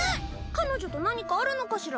彼女と何かあるのかしら？